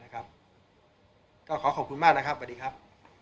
ก็ขอขอบคุณมากนะครับสวัสดีครับ